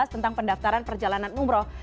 tentang pendaftaran perjalanan umroh